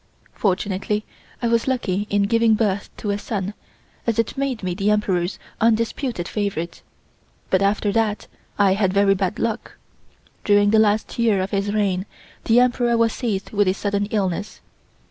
Fortunately, I was lucky in giving birth to a son, as it made me the Emperor's undisputed favorite; but after that I had very bad luck. During the last year of his reign the Emperor was seized with a sudden illness.